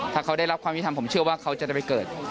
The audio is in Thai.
ถ้าเขาได้รับความยุทธรรมผมเชื่อว่าเขาจะได้ไปเกิด